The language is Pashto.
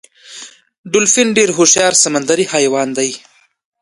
ډولفین ډیر هوښیار سمندری حیوان دی